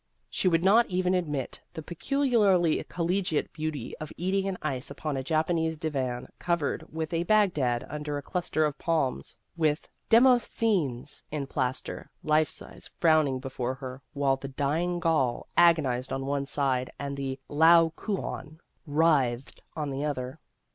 She would not even admit the peculiarly collegiate beauty of eating an ice upon a Japanese divan covered with a Bagdad under a cluster of palms, with " Demosthenes" in plaster, life size, frowning before her, while the " Dying Gaul " agonized on one side and the " Laocoon " writhed on the other.